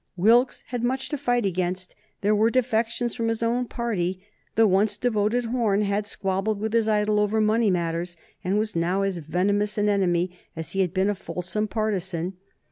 Wilkes had much to fight against. There were defections from his own party. The once devoted Horne had squabbled with his idol over money matters, and was now as venomous an enemy as he had been a fulsome partisan.